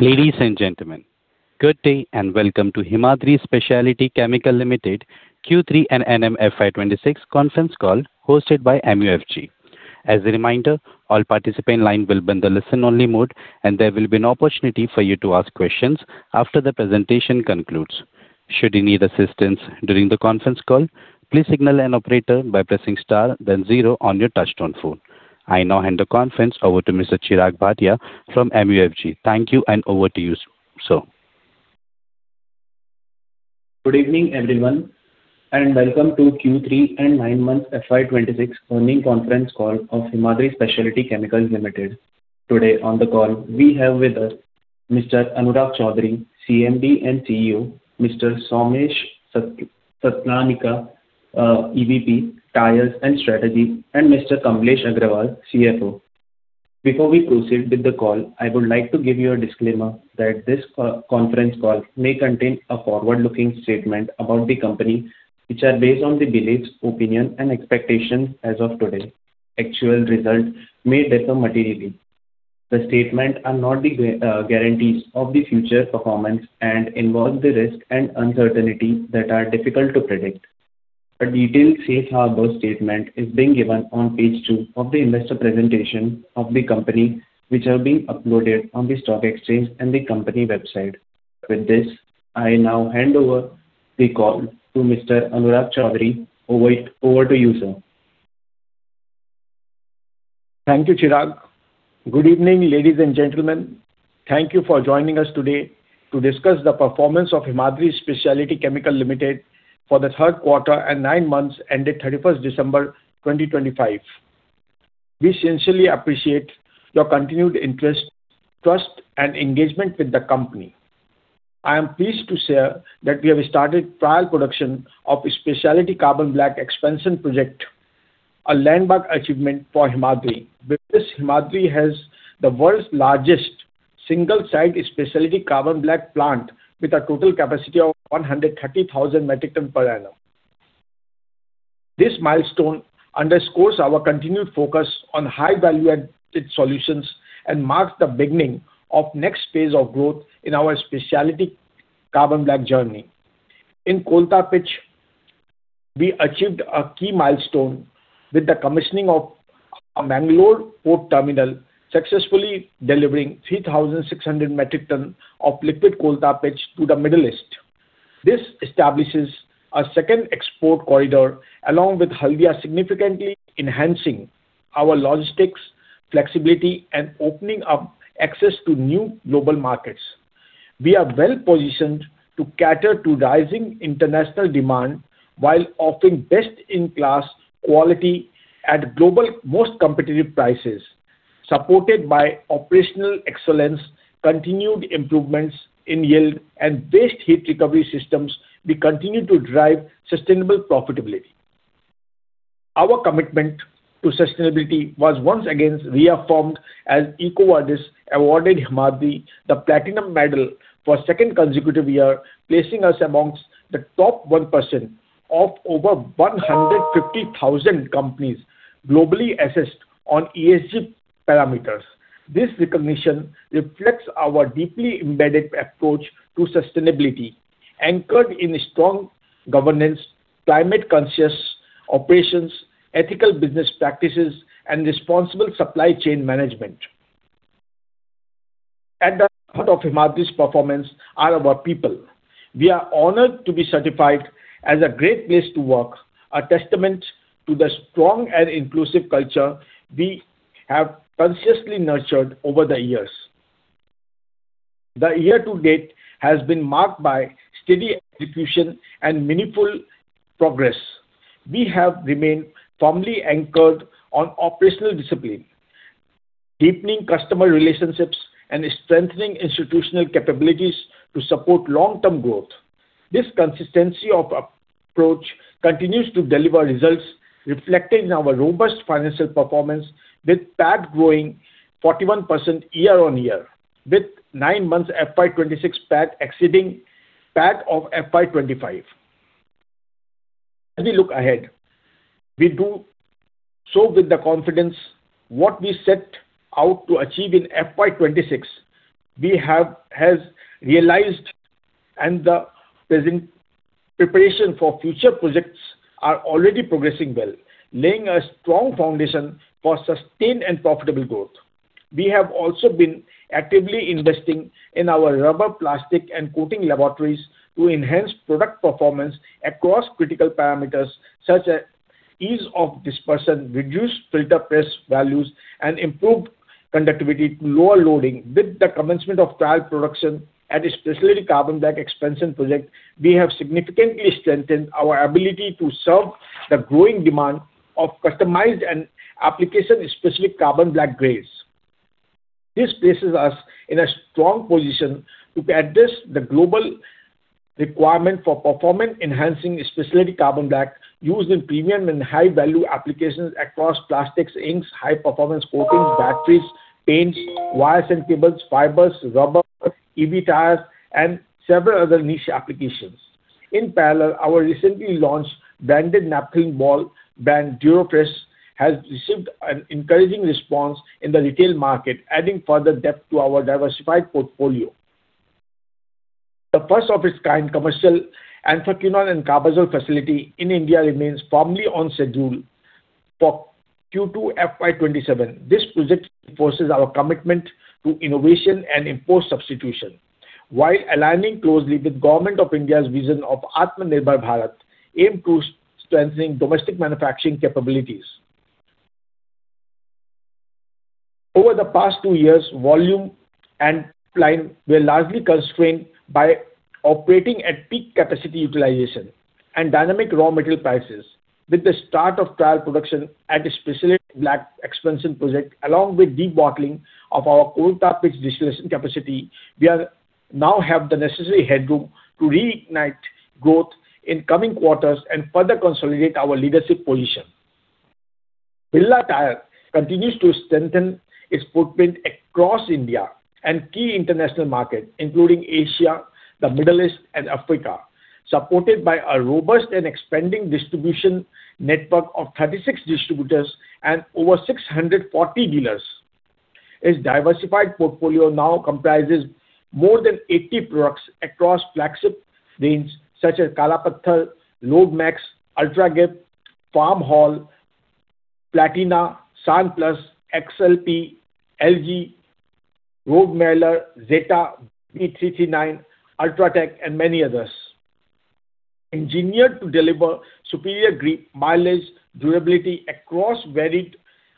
Ladies and gentlemen, good day and welcome to Himadri Speciality Chemical Limited Q3 and 9M FY 2026 conference call hosted by MUFG. As a reminder, all participants' lines will be in the listen-only mode, and there will be no opportunity for you to ask questions after the presentation concludes. Should you need assistance during the conference call, please signal an operator by pressing star, then zero on your touch-tone phone. I now hand the conference over to Mr. Chirag Bhatia from MUFG. Thank you, and over to you, sir. Good evening, everyone, and welcome to Q3 and Nine Month FY2026 Earning Conference Call of Himadri Speciality Chemical Limited. Today on the call, we have with us Mr. Anurag Choudhary, CMD and CEO, Mr. Somesh Satnalika, EVP, Tyres and Strategy, and Mr. Kamlesh Agrawal, CFO. Before we proceed with the call, I would like to give you a disclaimer that this conference call may contain a forward-looking statement about the company, which is based on the beliefs, opinions, and expectations as of today. Actual results may differ materially. The statements are not the guarantees of the future performance and involve the risks and uncertainties that are difficult to predict. A detailed statement is being given on page two of the investor presentation of the company, which is being uploaded on the stock exchange and the company website. With this, I now hand over the call to Mr. Anurag Choudhary. Over to you, sir. Thank you, Chirag. Good evening, ladies and gentlemen. Thank you for joining us today to discuss the performance of Himadri Speciality Chemical Limited for the third quarter and nine months ended 31st December 2025. We sincerely appreciate your continued interest, trust, and engagement with the company. I am pleased to share that we have started trial production of the Specialty Carbon Black Expansion Project, a landmark achievement for Himadri. With this, Himadri has the world's largest single-site Specialty Carbon Black plant, with a total capacity of 130,000 metric tons per annum. This milestone underscores our continued focus on high-value added solutions and marks the beginning of the next phase of growth in our Specialty Carbon Black journey. In Coal Tar Pitch, we achieved a key milestone with the commissioning of a Mangalore port terminal, successfully delivering 3,600 metric tons of liquid Coal Tar Pitch to the Middle East. This establishes a second export corridor, along with Haldia, significantly enhancing our logistics flexibility and opening up access to new global markets. We are well-positioned to cater to rising international demand while offering best-in-class quality at globally most competitive prices. Supported by operational excellence, continued improvements in yield, and waste heat recovery systems, we continue to drive sustainable profitability. Our commitment to sustainability was once again reaffirmed as EcoVadis awarded Himadri the Platinum Medal for the second consecutive year, placing us amongst the top 1% of over 150,000 companies globally assessed on ESG parameters. This recognition reflects our deeply embedded approach to sustainability, anchored in strong governance, climate-conscious operations, ethical business practices, and responsible supply chain management. At the heart of Himadri's performance are our people. We are honored to be certified as a Great Place to Work, a testament to the strong and inclusive culture we have consciously nurtured over the years. The year to date has been marked by steady execution and meaningful progress. We have remained firmly anchored on operational discipline, deepening customer relationships, and strengthening institutional capabilities to support long-term growth. This consistency of approach continues to deliver results, reflected in our robust financial performance with PAT growing 41% year-on-year, with nine months FY 2026 PAT exceeding PAT of FY 2025. As we look ahead, we do so with the confidence what we set out to achieve in FY 2026. We have realized, and the preparation for future projects is already progressing well, laying a strong foundation for sustained and profitable growth. We have also been actively investing in our rubber, plastic, and coating laboratories to enhance product performance across critical parameters such as ease of dispersion, reduced filter press values, and improved conductivity to lower loading. With the commencement of trial production at the Specialty Carbon Black Expansion Project, we have significantly strengthened our ability to serve the growing demand of customized and application-specific carbon black grades. This places us in a strong position to address the global requirement for performance-enhancing Specialty Carbon Black used in premium and high-value applications across plastics, inks, high-performance coatings, batteries, paints, wires and cables, fibers, rubber, EV tires, and several other niche applications. In parallel, our recently launched branded naphthalene ball brand, Durofresh, has received an encouraging response in the retail market, adding further depth to our diversified portfolio. The first-of-its-kind commercial anthraquinone and carbazole facility in India remains firmly on schedule for Q2 FY2027. This project reinforces our commitment to innovation and improved substitution, while aligning closely with the Government of India's vision of Atmanirbhar Bharat, aimed towards strengthening domestic manufacturing capabilities. Over the past two years, volume and supply were largely constrained by operating at peak capacity utilization and dynamic raw material prices. With the start of trial production at the Specialty Black Expansion Project, along with the de-bottling of our coal tar pitch distillation capacity, we now have the necessary headroom to reignite growth in coming quarters and further consolidate our leadership position. Birla Tyres continues to strengthen its footprint across India and key international markets, including Asia, the Middle East, and Africa. Supported by a robust and expanding distribution network of 36 distributors and over 640 dealers, its diversified portfolio now comprises more than 80 products across flagship brands such as Kalapathar, Loadmax, UltraGrip, FarmHaul, Platina, Sunplus, XL Grip, LG, Road Miler, Zeta, V339, Ultratrac, and many others. Engineered to deliver superior grip, mileage, and durability across varied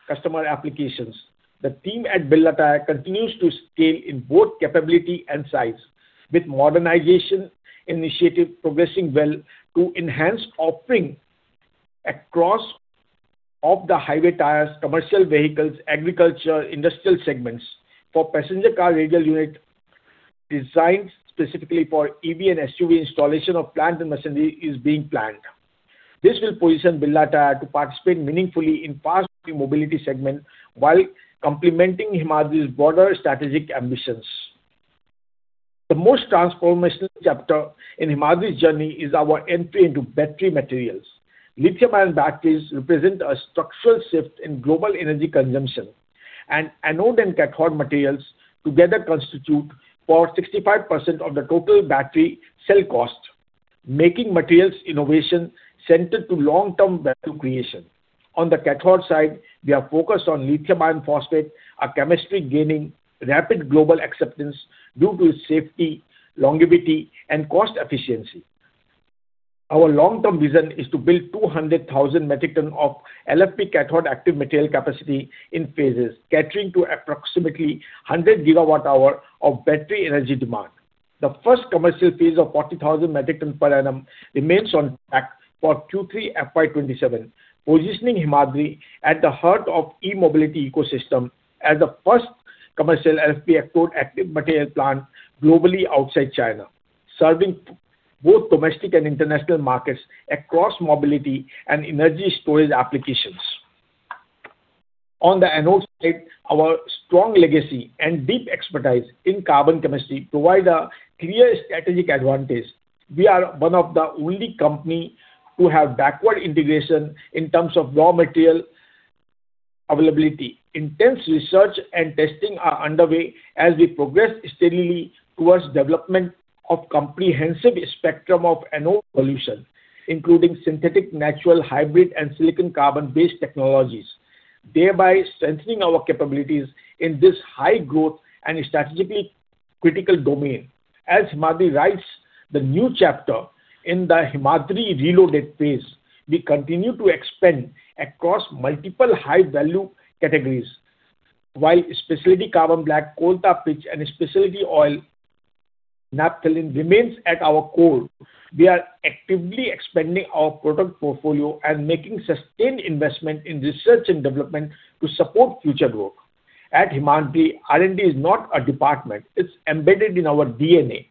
customer applications, the team at Birla Tyres continues to scale in both capability and size, with modernization initiatives progressing well to enhance offerings across the highway tires, commercial vehicles, agriculture, and industrial segments. For passenger car radial unit designed specifically for EV and SUV installation of plant and machinery is being planned. This will position Birla Tyres to participate meaningfully in the fast-moving mobility segment while complementing Himadri's broader strategic ambitions. The most transformational chapter in Himadri's journey is our entry into battery materials. Lithium-ion batteries represent a structural shift in global energy consumption, and anode and cathode materials together constitute about 65% of the total battery cell cost, making materials innovation centered on long-term value creation. On the cathode side, we are focused on lithium iron phosphate, a chemistry gaining rapid global acceptance due to its safety, longevity, and cost efficiency. Our long-term vision is to build 200,000 metric tons of LFP cathode active material capacity in phases, catering to approximately 100 gigawatt-hours of battery energy demand. The first commercial phase of 40,000 metric tons per annum remains on track for Q3 FY2027, positioning Himadri at the heart of the e-mobility ecosystem as the first commercial LFP cathode active material plant globally outside China, serving both domestic and international markets across mobility and energy storage applications. On the anode side, our strong legacy and deep expertise in carbon chemistry provide a clear strategic advantage. We are one of the only companies to have backward integration in terms of raw material availability. Intense research and testing are underway as we progress steadily towards the development of a comprehensive spectrum of anode solutions, including synthetic natural hybrid and silicon-carbon-based technologies, thereby strengthening our capabilities in this high-growth and strategically critical domain. As Himadri writes the new chapter in the Himadri Reloaded phase, we continue to expand across multiple high-value categories. While Specialty Carbon Black, Coal Tar Pitch, and Specialty Oil Naphthalene remain at our core, we are actively expanding our product portfolio and making sustained investments in research and development to support future growth. At Himadri, R&D is not a department; it is embedded in our DNA.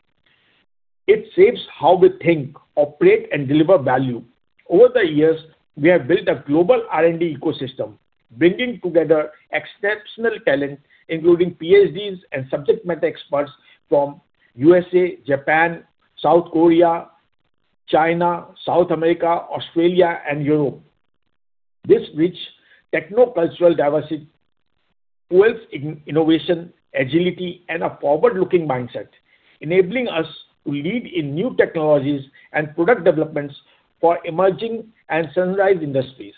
It shapes how we think, operate, and deliver value. Over the years, we have built a global R&D ecosystem, bringing together exceptional talent, including PhDs and subject-matter experts from the USA, Japan, South Korea, China, South America, Australia, and Europe. This rich techno-cultural diversity fuels innovation, agility, and a forward-looking mindset, enabling us to lead in new technologies and product developments for emerging and sunrise industries.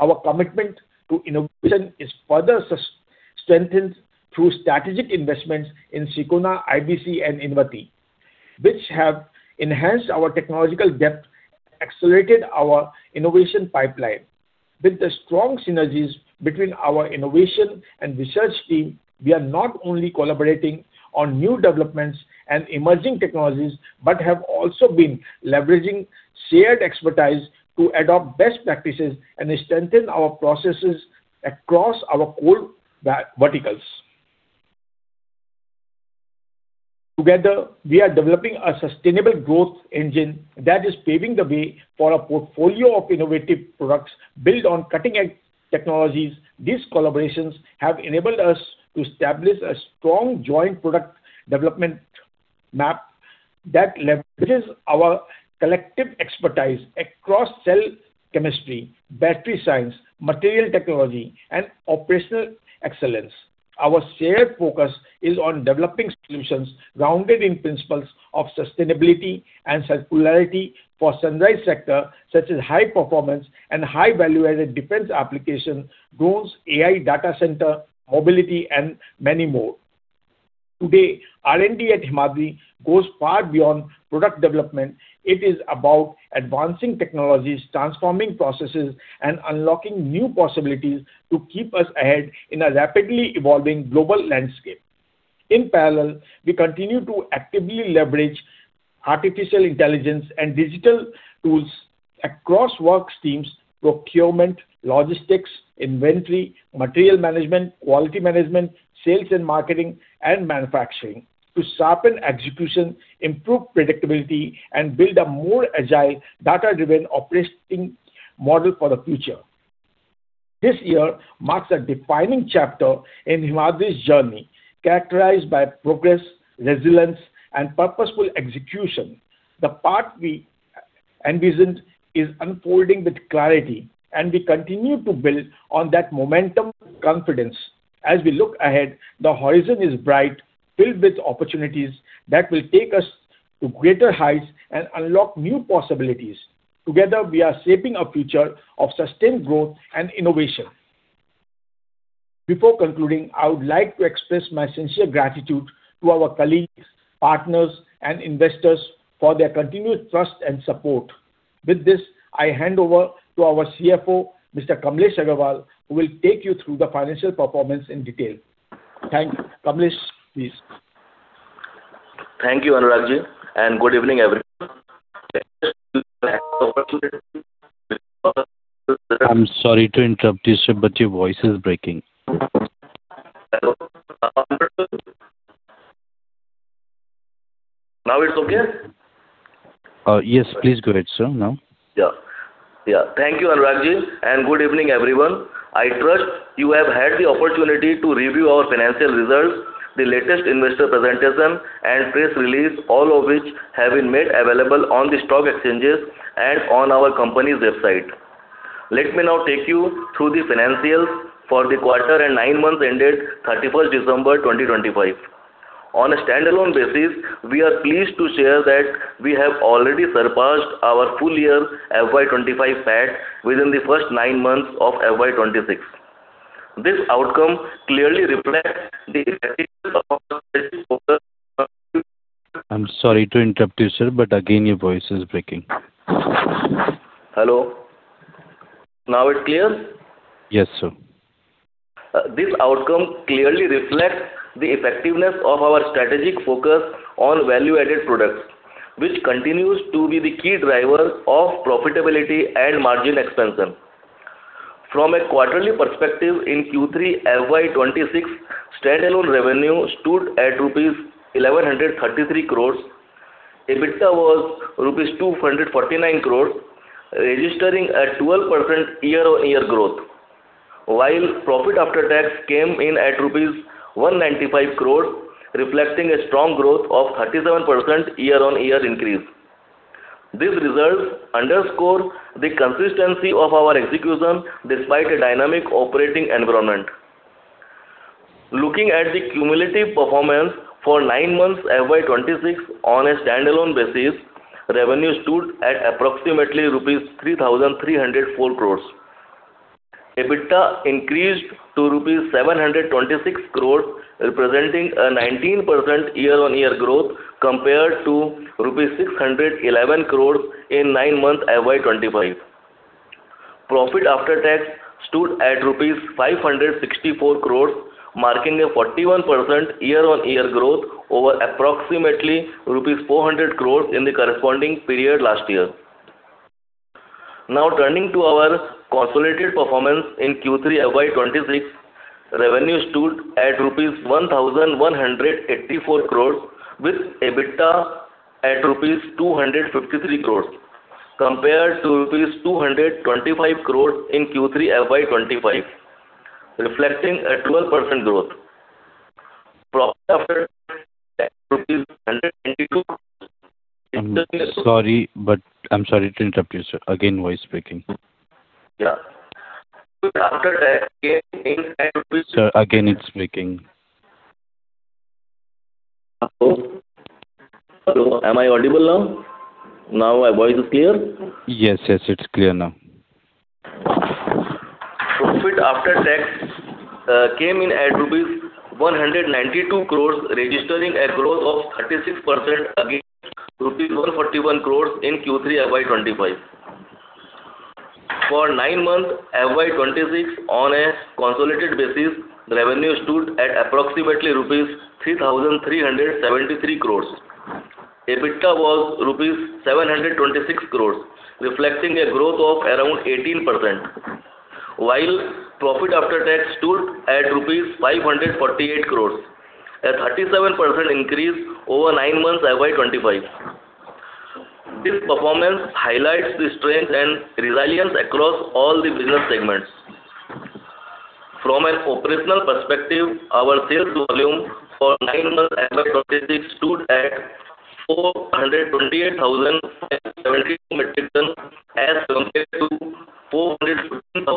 Our commitment to innovation is further strengthened through strategic investments in Sicona, IBC, and Invati, which have enhanced our technological depth and accelerated our innovation pipeline. With the strong synergies between our innovation and research team, we are not only collaborating on new developments and emerging technologies but have also been leveraging shared expertise to adopt best practices and strengthen our processes across our core verticals. Together, we are developing a sustainable growth engine that is paving the way for a portfolio of innovative products built on cutting-edge technologies. These collaborations have enabled us to establish a strong joint product development map that leverages our collective expertise across cell chemistry, battery science, material technology, and operational excellence. Our shared focus is on developing solutions grounded in principles of sustainability and circularity for the sunrise sector, such as high-performance and high-value added defense applications, drones, AI data centers, mobility, and many more. Today, R&D at Himadri goes far beyond product development. It is about advancing technologies, transforming processes, and unlocking new possibilities to keep us ahead in a rapidly evolving global landscape. In parallel, we continue to actively leverage artificial intelligence and digital tools across work streams: procurement, logistics, inventory, material management, quality management, sales and marketing, and manufacturing to sharpen execution, improve predictability, and build a more agile, data-driven operating model for the future. This year marks a defining chapter in Himadri's journey, characterized by progress, resilience, and purposeful execution. The path we envisioned is unfolding with clarity, and we continue to build on that momentum and confidence. As we look ahead, the horizon is bright, filled with opportunities that will take us to greater heights and unlock new possibilities. Together, we are shaping a future of sustained growth and innovation. Before concluding, I would like to express my sincere gratitude to our colleagues, partners, and investors for their continued trust and support. With this, I hand over to our CFO, Mr. Kamlesh Agrawal, who will take you through the financial performance in detail. Thank you, Kamlesh. Please. Thank you, Anurag ji, and good evening, everyone. I'm sorry to interrupt you, sir, but your voice is breaking. Now it's okay? Yes, please go ahead, sir, now. Yeah. Yeah. Thank you, Anurag ji, and good evening, everyone. I trust you have had the opportunity to review our financial results, the latest investor presentation, and press release, all of which have been made available on the stock exchanges and on our company's website. Let me now take you through the financials for the quarter and nine months ended 31st December 2025. On a standalone basis, we are pleased to share that we have already surpassed our full-year FY25 PAT within the first nine months of FY26. This outcome clearly reflects the effectiveness of our strategic focus. I'm sorry to interrupt you, sir, but again, your voice is breaking. Hello. Now it's clear? Yes, sir. This outcome clearly reflects the effectiveness of our strategic focus on value-added products, which continues to be the key driver of profitability and margin expansion. From a quarterly perspective, in Q3 FY2026, standalone revenue stood at INR 1,133 crores, EBITDA was INR 249 crores, registering a 12% year-on-year growth, while profit after tax came in at rupees 195 crores, reflecting a strong growth of 37% year-on-year increase. These results underscore the consistency of our execution despite a dynamic operating environment. Looking at the cumulative performance for nine months FY2026 on a standalone basis, revenue stood at approximately rupees 3,304 crores. EBITDA increased to rupees 726 crores, representing a 19% year-on-year growth compared to rupees 611 crores in nine months FY2025. Profit after tax stood at rupees 564 crores, marking a 41% year-on-year growth over approximately rupees 400 crores in the corresponding period last year. Now turning to our consolidated performance in Q3 FY2026, revenue stood at rupees 1,184 crores, with EBITDA at rupees 253 crores, compared to rupees 225 crores in Q3 FY2025, reflecting a 12% growth. Profit after tax at INR 192 crores. Sorry, but I'm sorry to interrupt you, sir. Again, voice is breaking. Yeah. Profit after tax came in at. Sir, again, it's breaking. Hello. Am I audible now? Now my voice is clear? Yes, yes. It's clear now. Profit after tax came in at rupees 192 crores, registering a growth of 36% against rupees 141 crores in Q3 FY2025. For nine months FY2026, on a consolidated basis, revenue stood at approximately rupees 3,373 crores. EBITDA was rupees 726 crores, reflecting a growth of around 18%, while profit after tax stood at 548 crores rupees, a 37% increase over nine months FY2025. This performance highlights the strength and resilience across all the business segments. From an operational perspective, our sales volume for nine months FY2026 stood at 428,072 metric tons as compared to 415,629.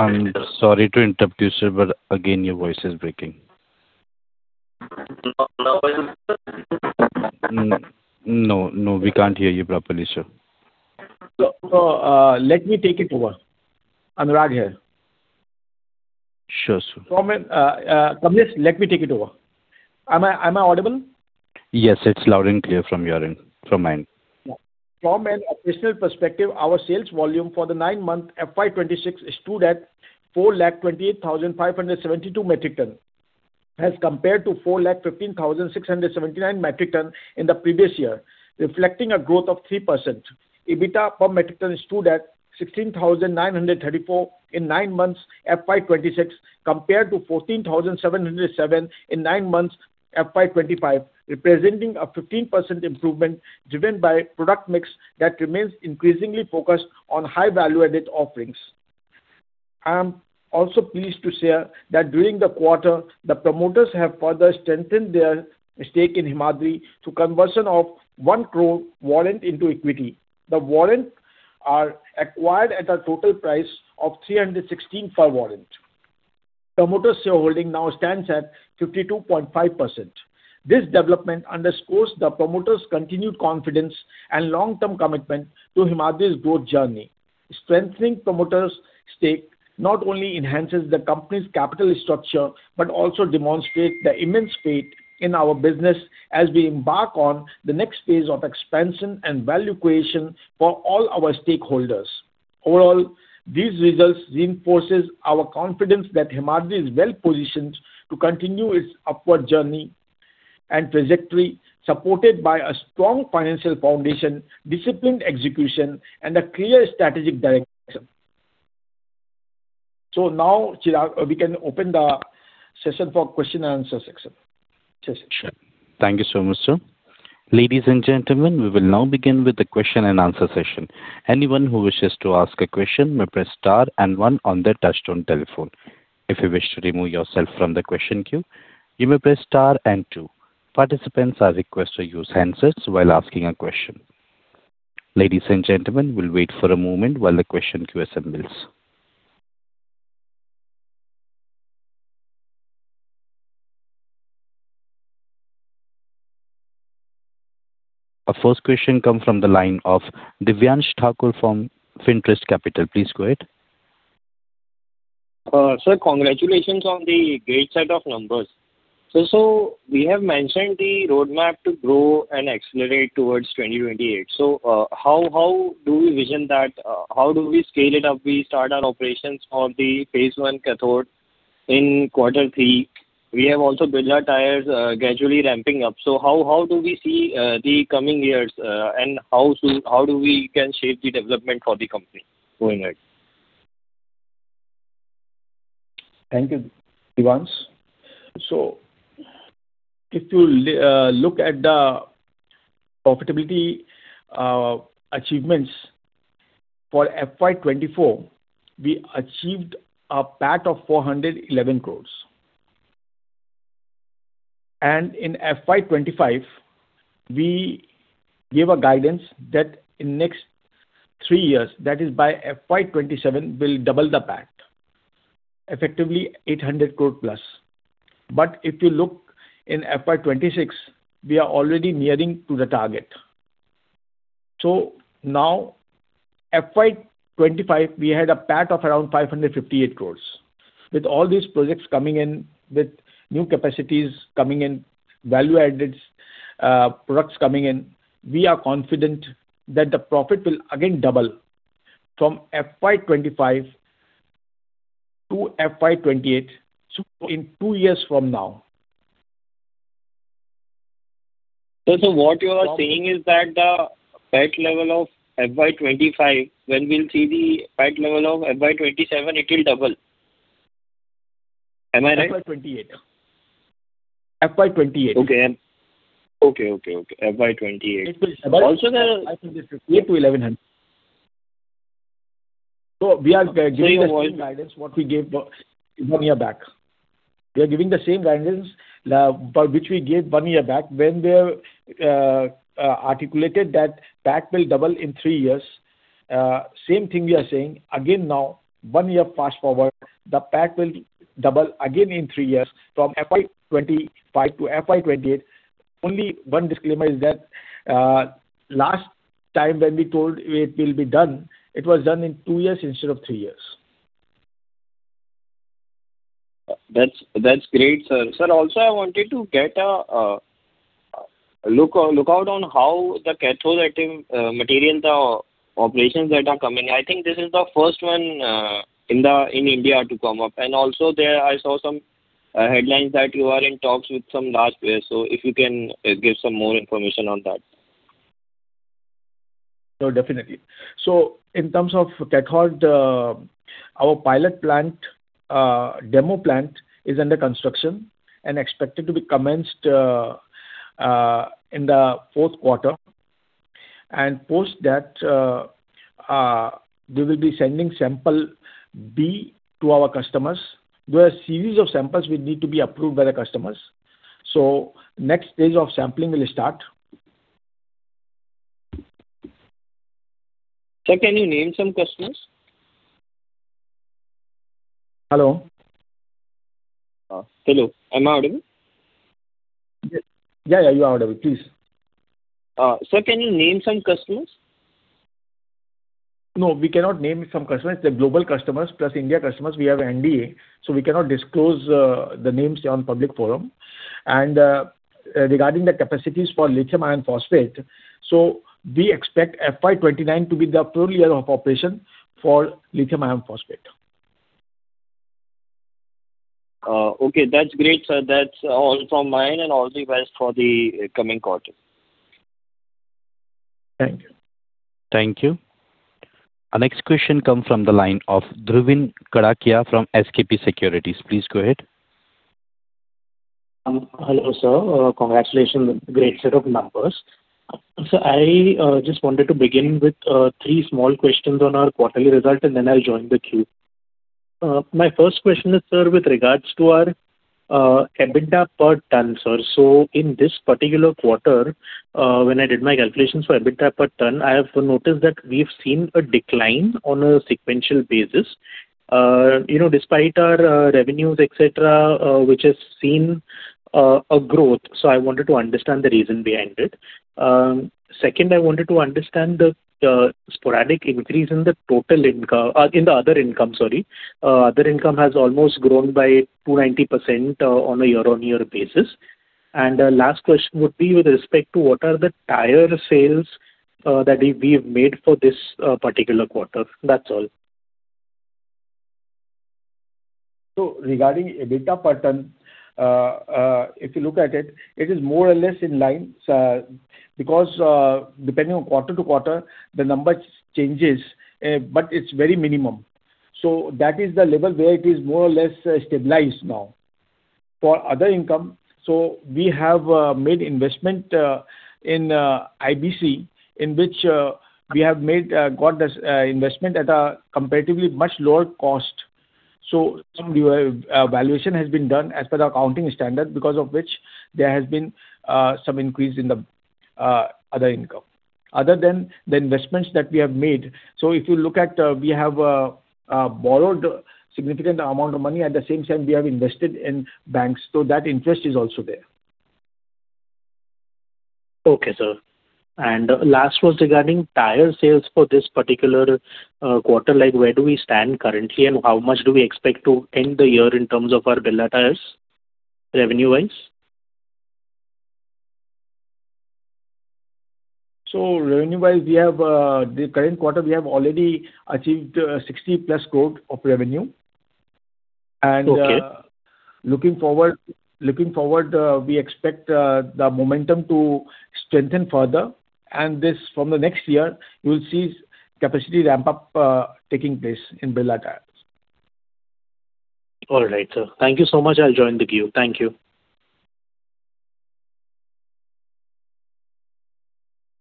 I'm sorry to interrupt you, sir, but again, your voice is breaking. No, no, we can't hear you properly, sir. Let me take it over. Anurag here. Sure, sir. Kamlesh, let me take it over. Am I audible? Yes, it's loud and clear from my end. From an operational perspective, our sales volume for the nine months FY2026 stood at 428,572 metric tons as compared to 415,679 metric tons in the previous year, reflecting a growth of 3%. EBITDA per metric ton stood at 16,934 in nine months FY2026 compared to 14,707 in nine months FY2025, representing a 15% improvement driven by product mix that remains increasingly focused on high-value added offerings. I'm also pleased to share that during the quarter, the promoters have further strengthened their stake in Himadri through conversion of 10,000,000 warrant into equity. The warrants are acquired at a total price of 316 per warrant. Promoters' shareholding now stands at 52.5%. This development underscores the promoters' continued confidence and long-term commitment to Himadri's growth journey. Strengthening promoters' stake not only enhances the company's capital structure but also demonstrates the immense faith in our business as we embark on the next phase of expansion and value creation for all our stakeholders. Overall, these results reinforce our confidence that Himadri is well-positioned to continue its upward journey and trajectory, supported by a strong financial foundation, disciplined execution, and a clear strategic direction. We can now open the session for question and answer session. Thank you so much, sir. Ladies and gentlemen, we will now begin with the question and answer session. Anyone who wishes to ask a question may press star and one on their touch-stone telephone. If you wish to remove yourself from the question queue, you may press star and two. Participants are requested to use handsets while asking a question. Ladies and gentlemen, we will wait for a moment while the question queue assembles. Our first question comes from the line of Divyansh Thakur from Fintrust Capital. Please go ahead. Sir, congratulations on the great set of numbers. We have mentioned the roadmap to grow and accelerate towards 2028. How do we vision that? How do we scale it up? We start our operations for the phase one cathode in quarter three. We have also built our tires gradually ramping up. How do we see the coming years and how do we shape the development for the company going ahead? Thank you, Divyansh. If you look at the profitability achievements for FY2024, we achieved a PAT of 411 crore. In FY2025, we gave a guidance that in the next three years, that is, by FY2027, we will double the PAT, effectively 800 crore plus. If you look in FY2026, we are already nearing the target. Now, FY 2025, we had a PAT of around 558 crore. With all these projects coming in, with new capacities coming in, value-added products coming in, we are confident that the profit will again double from FY 2025 to FY 2028, so in two years from now. What you are saying is that the PAT level of FY 2025, when we see the PAT level of FY 2027, it will double. Am I right? FY 2028. FY 2028. Okay. Okay, okay, okay. FY 2028. Also, there are INR 811. We are giving the same guidance we gave one year back. We are giving the same guidance which we gave one year back when we articulated that PAT will double in three years. Same thing we are saying. Again, now, one year fast forward, the PAT will double again in three years from FY 2025 to FY 2028. Only one disclaimer is that last time when we told it will be done, it was done in two years instead of three years. That's great, sir. Sir, also, I wanted to get a look out on how the cathode material operations that are coming. I think this is the first one in India to come up. Also, I saw some headlines that you are in talks with some large players. If you can give some more information on that. Definitely. In terms of cathode, our pilot demo plant is under construction and expected to be commenced in the fourth quarter. Post that, we will be sending sample B to our customers. There are a series of samples which need to be approved by the customers. The next phase of sampling will start. Sir, can you name some customers? Hello. Hello. Am I audible? Yeah, yeah. You are audible. Please. Sir, can you name some customers? No, we cannot name some customers. The global customers plus India customers, we have NDA, so we cannot disclose the names on public forum. Regarding the capacities for Lithium Iron Phosphate, we expect FY2029 to be the full year of operation for Lithium Iron Phosphate. Okay. That's great, sir. That's all from my end and all the best for the coming quarter. Thank you. Thank you. Our next question comes from the line of Dhruvin Kadakia from SKP Securities. Please go ahead. Hello, sir. Congratulations. Great set of numbers. I just wanted to begin with three small questions on our quarterly result, and then I'll join the queue. My first question is, sir, with regards to our EBITDA per ton, sir. In this particular quarter, when I did my calculations for EBITDA per ton, I have noticed that we've seen a decline on a sequential basis despite our revenues, etc., which has seen a growth. I wanted to understand the reason behind it. Second, I wanted to understand the sporadic increase in the other income. Sorry. Other income has almost grown by 290% on a year-on-year basis. Last question would be with respect to what are the tire sales that we've made for this particular quarter. That's all. Regarding EBITDA per ton, if you look at it, it is more or less in line because depending on quarter to quarter, the number changes, but it's very minimum. That is the level where it is more or less stabilized now. For other income, we have made investment in IBC, in which we have got this investment at a comparatively much lower cost. Some valuation has been done as per the accounting standard because of which there has been some increase in the other income. Other than the investments that we have made, if you look at, we have borrowed a significant amount of money. At the same time, we have invested in banks. That interest is also there. Okay, sir. The last was regarding tire sales for this particular quarter. Where do we stand currently, and how much do we expect to end the year in terms of our Birla Tyres revenue-wise? Revenue-wise, the current quarter, we have already achieved 60 crore-plus of revenue. Looking forward, we expect the momentum to strengthen further. From the next year, you'll see capacity ramp-up taking place in Birla Tyres. All right, sir. Thank you so much. I'll join the queue. Thank you.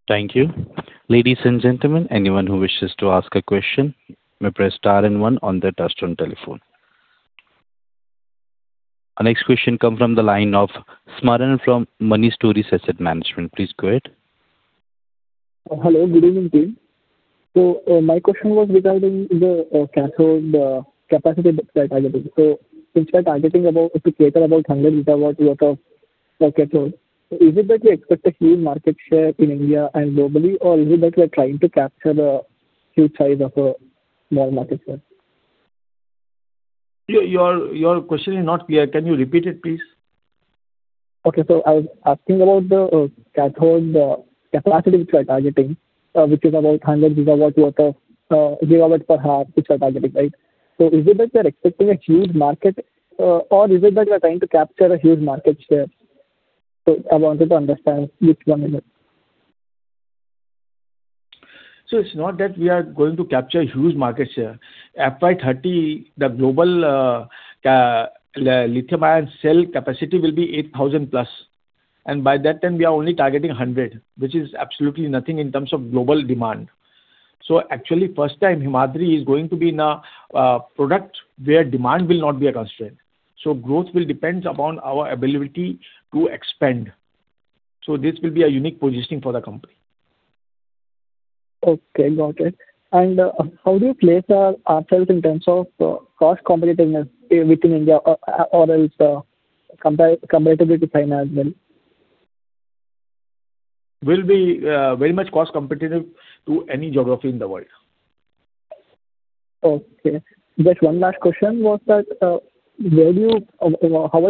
Thank you. Ladies and gentlemen, anyone who wishes to ask a question may press star and one on their touch-stone telephone. Our next question comes from the line of Samvardhan Sarda from Money Stories Asset Management. Please go ahead. Hello. Good evening, team. My question was regarding the cathode capacity targeting. Since we are targeting to cater about 100 gigawatt-hours worth of cathode, is it that we expect a huge market share in India and globally, or is it that we are trying to capture a huge size of a small market share? Your question is not clear. Can you repeat it, please? Okay. I was asking about the cathode capacity which we are targeting, which is about 100 gigawatt-hours, which we are targeting, right? Is it that we are expecting a huge market, or is it that we are trying to capture a huge market share? I wanted to understand which one it is. It is not that we are going to capture a huge market share. By FY2030, the global lithium-ion cell capacity will be 8,000 plus. By that time, we are only targeting 100, which is absolutely nothing in terms of global demand. Actually, for the first time, Himadri is going to be in a product where demand will not be a constraint. Growth will depend upon our ability to expand. This will be a unique positioning for the company. Okay. Got it. How do you place ourselves in terms of cost competitiveness within India or else comparatively to China as well? We will be very much cost competitive to any geography in the world. Okay. Just one last question was that how are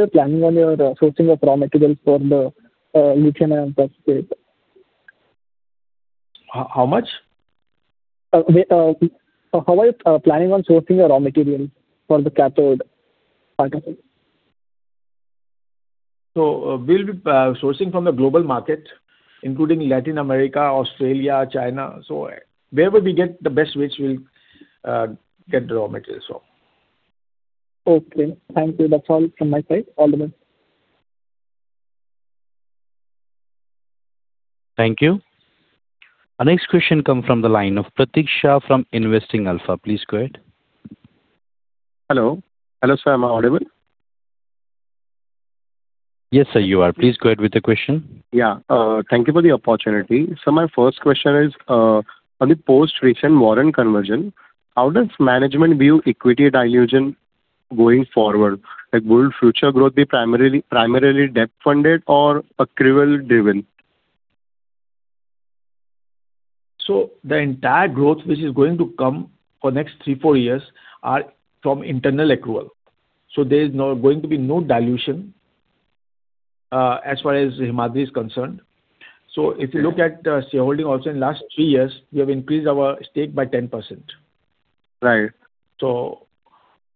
you planning on your sourcing of raw materials for the lithium-ion substrate? How much? How are you planning on sourcing your raw materials for the cathode? We will be sourcing from the global market, including Latin America, Australia, China. Wherever we get the best, we will get the raw materials, sir. Okay. Thank you. That is all from my side. All the best. Thank you. Our next question comes from the line of Pratiksha from Investing Alpha. Please go ahead. Hello. Hello, sir. Am I audible? Yes, sir, you are. Please go ahead with the question. Yeah. Thank you for the opportunity. My first question is, on the post-recent warrant conversion, how does management view equity dilution going forward? Will future growth be primarily debt-funded or accrual-driven? The entire growth which is going to come for the next three, four years is from internal accrual. There is going to be no dilution as far as Himadri is concerned. If you look at shareholding also in the last three years, we have increased our stake by 10%. We will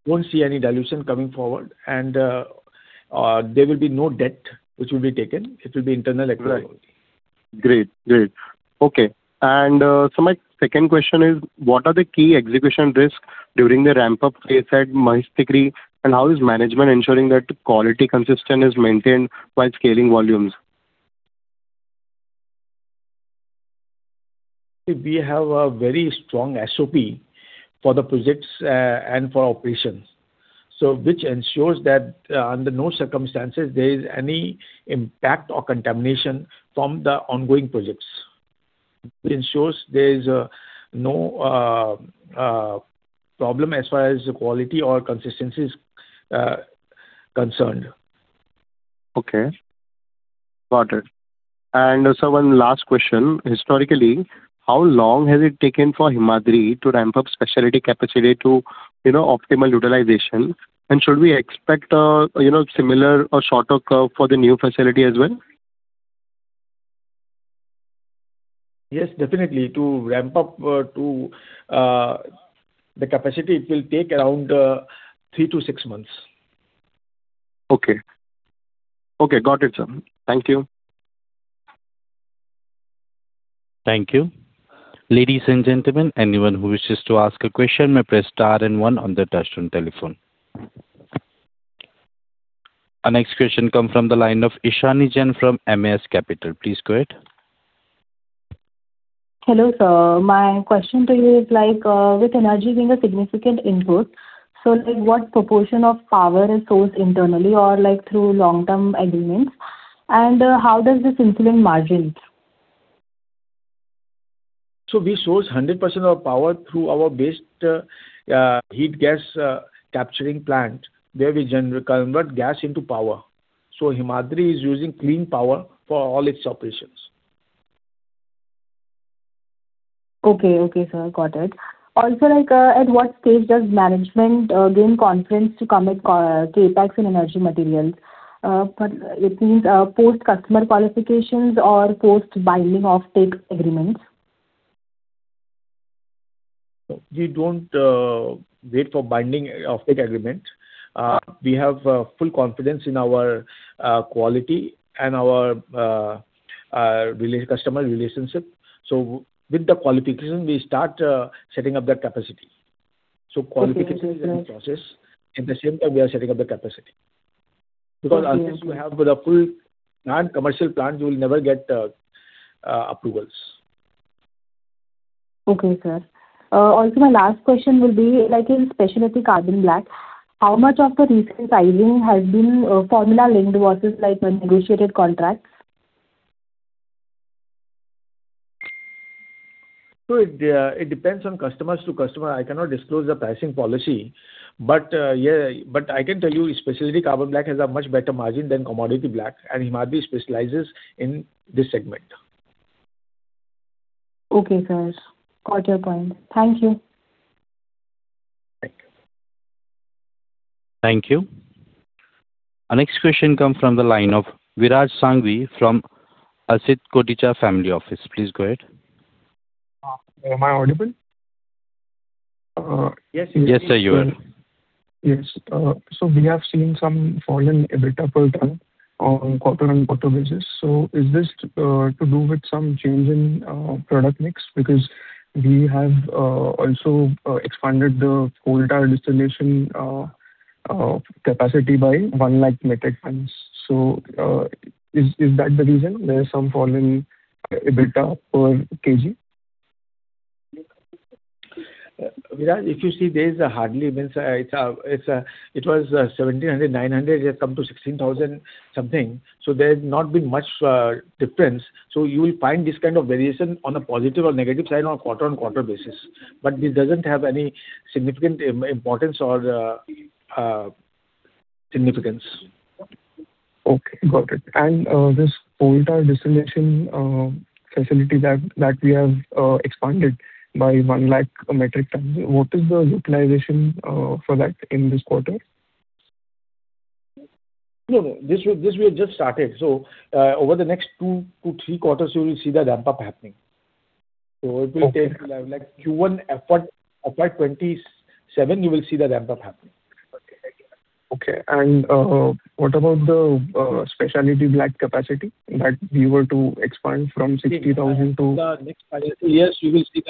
not see any dilution coming forward, and there will be no debt which will be taken. It will be internal accrual. Great. Great. Okay. My second question is, what are the key execution risks during the ramp-up phase at Mahistikry, and how is management ensuring that quality consistency is maintained while scaling volumes? We have a very strong SOP for the projects and for operations, which ensures that under no circumstances there is any impact or contamination from the ongoing projects. It ensures there is no problem as far as quality or consistency is concerned. Okay. Got it. One last question. Historically, how long has it taken for Himadri to ramp up specialty capacity to optimal utilization? Should we expect a similar or shorter curve for the new facility as well? Yes, definitely. To ramp up to the capacity, it will take around three to six months. Okay. Okay. Got it, sir. Thank you. Thank you. Ladies and gentlemen, anyone who wishes to ask a question may press star and one on their touch-stone telephone. Our next question comes from the line of Ishani Jain from MAS Capital. Please go ahead. Hello, sir. My question to you is, with energy being a significant input, what proportion of power is sourced internally or through long-term agreements? How does this influence margins? We source 100% of power through our waste heat gas capturing plant where we convert gas into power. Himadri is using clean power for all its operations. Okay. Okay, sir. Got it. Also, at what stage does management gain confidence to commit CapEx in energy materials? It means post-customer qualifications or post-binding of tech agreements? We do not wait for binding of tech agreement. We have full confidence in our quality and our customer relationship. With the qualification, we start setting up that capacity. Qualification is a process. At the same time, we are setting up the capacity. Unless you have a full-time commercial plant, you will never get approvals. Okay, sir. Also, my last question will be, in specialty carbon black, how much of the recent pricing has been formula-linked versus negotiated contracts? It depends on customer to customer. I cannot disclose the pricing policy. I can tell you, specialty carbon black has a much better margin than commodity black. Himadri specializes in this segment. Okay, sir. Got your point. Thank you. Thank you. Thank you. Our next question comes from the line of Virat Sanghvi from Asit Koticha Family Office. Please go ahead. Am I audible? Yes, sir. Yes, sir, you are. Yes. We have seen some fall in EBITDA per ton on quarter-on-quarter basis. Is this to do with some change in product mix? We have also expanded the coal tar distillation capacity by 100,000 metric tons. Is that the reason there is some fall in EBITDA per kg? Virat, if you see, there is hardly even. It was 1,700, 900, it has come to 16,000 something. There has not been much difference. You will find this kind of variation on a positive or negative side on a quarter-on-quarter basis. This does not have any significant importance or significance. Okay. Got it. This coal tar distillation facility that we have expanded by 100,000 metric tons, what is the utilization for that in this quarter? No, no. This will just start. Over the next two to three quarters, you will see the ramp-up happening. It will take Q1, FY2027, you will see the ramp-up happening. Okay. What about the specialty black capacity that we were to expand from 60,000 to? Yes, you will see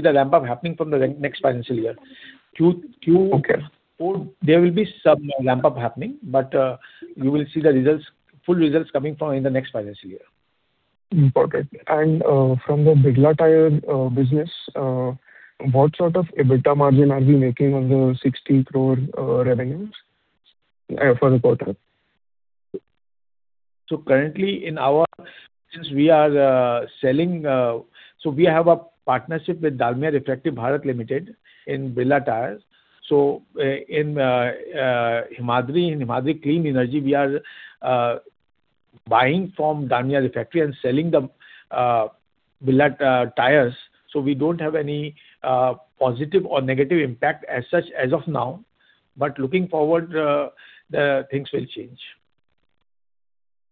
the ramp-up happening from the next financial year. There will be some ramp-up happening, but you will see the full results coming in the next financial year. Got it. From the Birla Tyres business, what sort of EBITDA margin are we making on the 600 million revenues for the quarter? Currently, in our business, we are selling. We have a partnership with Dalmia Bharat Refractories Limited in Birla Tyres. In Himadri, in Himadri Clean Energy, we are buying from Dalmia Bharat Refractories and selling the Birla Tyres. We do not have any positive or negative impact as such as of now. Looking forward, things will change.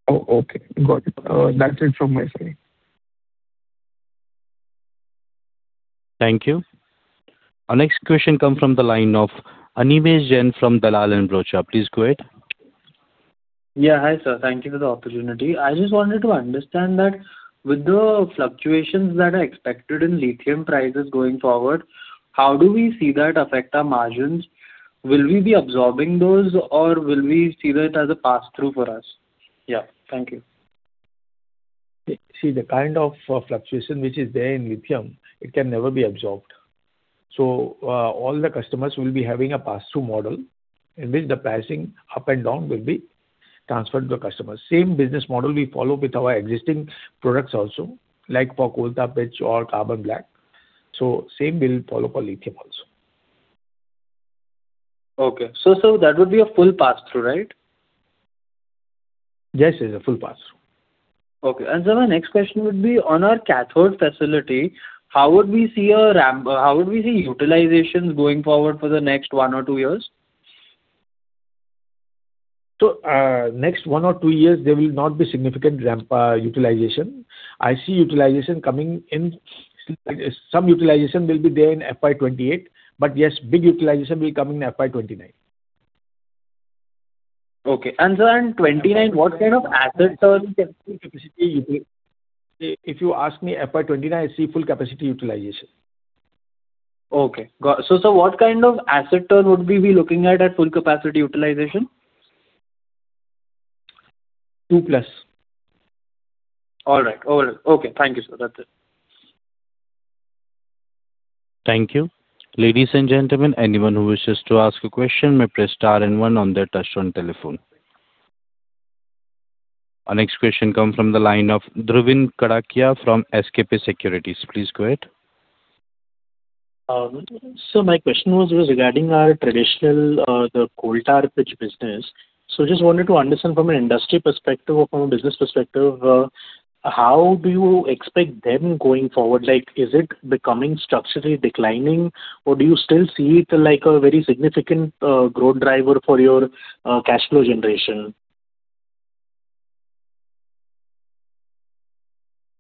Okay. Got it. That is it from my side. Thank you. Our next question comes from the line of Animesh Jain from Dalal & Broacha. Please go ahead. Yeah. Hi, sir. Thank you for the opportunity. I just wanted to understand that with the fluctuations that are expected in lithium prices going forward, how do we see that affect our margins? Will we be absorbing those, or will we see that as a pass-through for us? Yeah. Thank you. See, the kind of fluctuation which is there in lithium, it can never be absorbed. So all the customers will be having a pass-through model in which the pricing up and down will be transferred to the customers. Same business model we follow with our existing products also, like for coal tar pitch or carbon black. So same will follow for lithium also. Okay. So that would be a full pass-through, right? Yes, yes. A full pass-through. Okay. My next question would be, on our cathode facility, how would we see a how would we see utilizations going forward for the next one or two years? Next one or two years, there will not be significant utilization. I see utilization coming in. Some utilization will be there in FY 2028. Yes, big utilization will come in FY 2029. Okay. In 2029, what kind of asset turn can full capacity, if you ask me, FY 2029, I see full capacity utilization. Okay. What kind of asset turn would we be looking at at full capacity utilization? Two plus. All right. All right. Okay. Thank you, sir. That's it. Thank you. Ladies and gentlemen, anyone who wishes to ask a question may press star and one on their touch-stone telephone. Our next question comes from the line of Dhruvin Kadakia from SKP Securities. Please go ahead. My question was regarding our traditional coal tar pitch business. I just wanted to understand from an industry perspective or from a business perspective, how do you expect them going forward? Is it becoming structurally declining, or do you still see it like a very significant growth driver for your cash flow generation?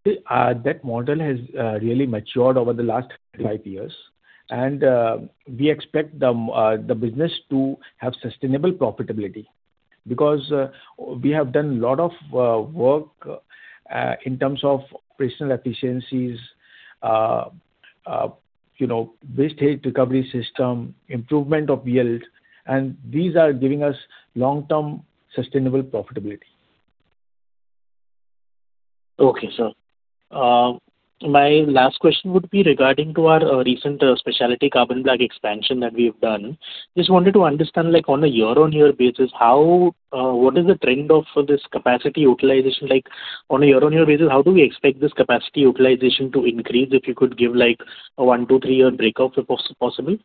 That model has really matured over the last five years. We expect the business to have sustainable profitability because we have done a lot of work in terms of operational efficiencies, waste heat recovery system, improvement of yield. These are giving us long-term sustainable profitability. Okay, sir. My last question would be regarding to our recent specialty carbon black expansion that we have done. Just wanted to understand on a year-on-year basis, what is the trend of this capacity utilization? On a year-on-year basis, how do we expect this capacity utilization to increase if you could give a one, two, three-year breakup if possible?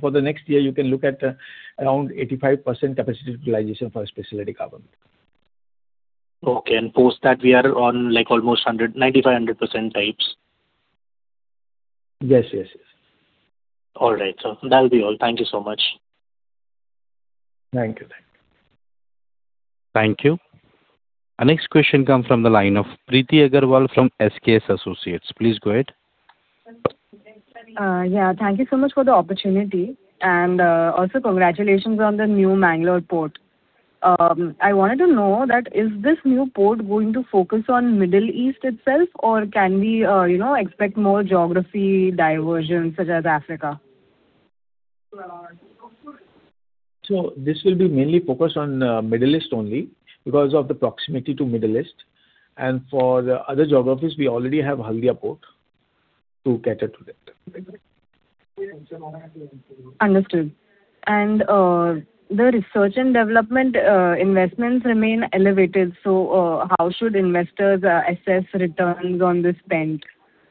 For the next year, you can look at around 85% capacity utilization for specialty carbon. Okay. Post that, we are on almost 95-100% types. Yes, yes, yes. All right, sir. That will be all. Thank you so much. Thank you. Thank you. Thank you. Our next question comes from the line of Priti Agarwal from SKS Associates. Please go ahead. Yeah. Thank you so much for the opportunity. Also, congratulations on the new Mangalore port. I wanted to know, is this new port going to focus on Middle East itself, or can we expect more geography diversion such as Africa? This will be mainly focused on Middle East only because of the proximity to Middle East. For other geographies, we already have Haldia port to cater to that. Understood. The research and development investments remain elevated. How should investors assess returns on this spend?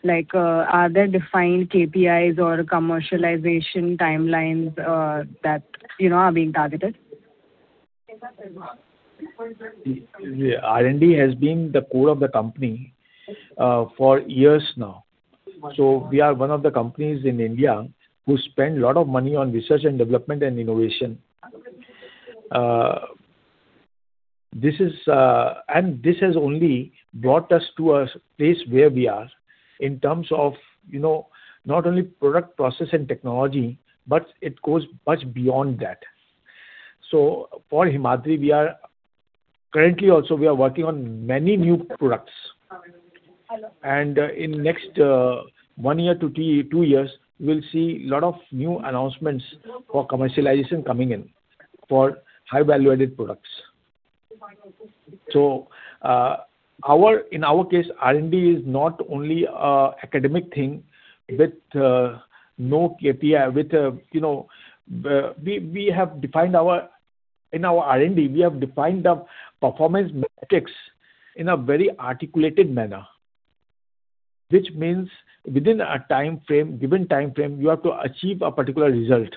Are there defined KPIs or commercialization timelines that are being targeted? R&D has been the core of the company for years now. We are one of the companies in India who spend a lot of money on research and development and innovation. This has only brought us to a place where we are in terms of not only product, process, and technology, but it goes much beyond that. For Himadri, currently also, we are working on many new products. In the next one year to two years, we will see a lot of new announcements for commercialization coming in for high-valuated products. In our case, R&D is not only an academic thing with no KPI. We have defined our in our R&D, we have defined the performance metrics in a very articulated manner, which means within a given timeframe, you have to achieve a particular result.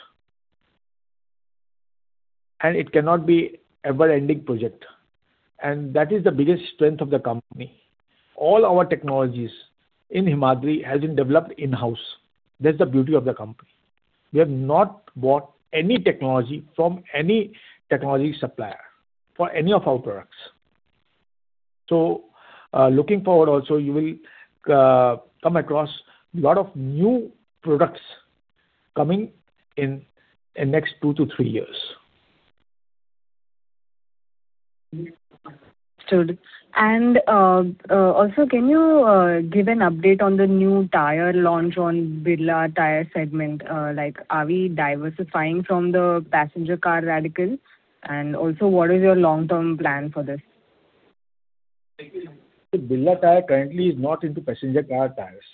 It cannot be an ever-ending project. That is the biggest strength of the company. All our technologies in Himadri have been developed in-house. That's the beauty of the company. We have not bought any technology from any technology supplier for any of our products. Looking forward also, you will come across a lot of new products coming in the next two to three years. Absolutely. Also, can you give an update on the new tire launch on Birla Tyres segment? Are we diversifying from the passenger car radial? What is your long-term plan for this? Birla Tyres currently is not into passenger car tires.